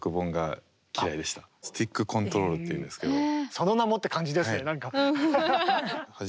「その名も」って感じですねなんか。